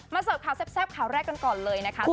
เสิร์ฟข่าวแซ่บข่าวแรกกันก่อนเลยนะคะ